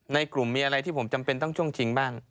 ในกลุ่มมีอะไรที่ผมจำเป็นต้องช่วงชิงบ้าง